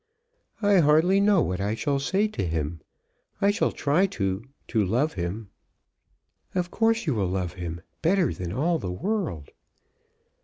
"I hardly know what I shall say to him. I shall try to to love him." "Of course you will love him, better than all the world."